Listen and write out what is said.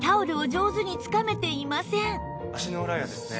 足の裏やですね